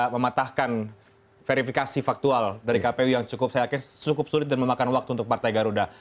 mematahkan verifikasi faktual dari kpu yang cukup saya yakin cukup sulit dan memakan waktu untuk partai garuda